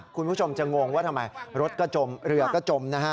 คุณผู้ชมจะงงว่าทำไมรถก็จมเรือก็จมนะฮะ